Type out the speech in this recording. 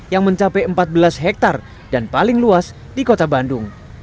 yang mencapai empat belas hektare dan paling luas di kota bandung